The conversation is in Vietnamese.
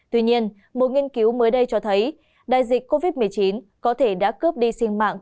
tuy nhiên một nghiên cứu mới đây cho thấy đại dịch covid một mươi chín có thể đã cướp đi sinh mạng